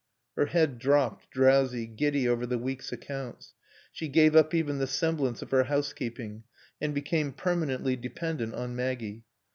Her head dropped, drowsy, giddy over the week's accounts. She gave up even the semblance of her housekeeping, and became permanently dependent on Maggie.